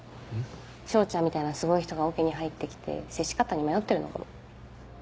彰ちゃんみたいなすごい人がオケに入ってきて接し方に迷ってるのかも。